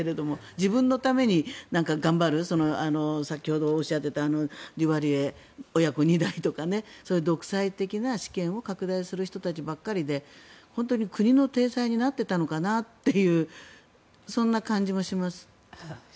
自分のために頑張る先ほどおっしゃっていたデュバリエ親子２代とか独裁的な私権を拡大する人たちばかりで本当に、国の体裁になっていたのかなというそんな感じもします。